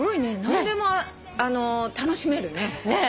何でも楽しめるね。